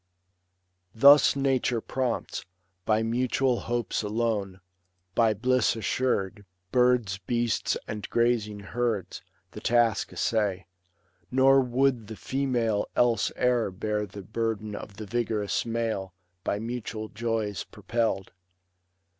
Thus nature prompts ; by mutual hopes alone. By bliss assur'd, birds, beasts, and grazing herds. The task essay ; nor would the female else B. IV. 1197 1230. LUCRETIUS. 1 89 E'er bear the burden of the vigorous male^ By mutual joys propell'd.